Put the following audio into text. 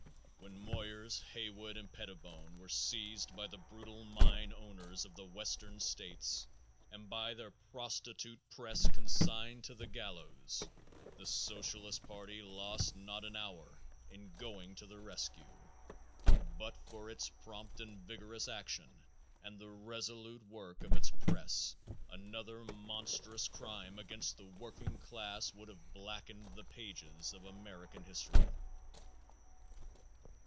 When Moyer, Haywood and Pettibone were seized by the brutal mine owners of the western states and by their prostitute press consigned to the gallows, the Socialist party lost not an hour in going to the rescue, and but for its prompt and vigorous action and the resolute work of its press another monstrous crime against the working class would have blackened the pages of American history.